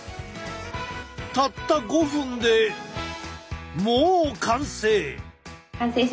たった５分でもう完成！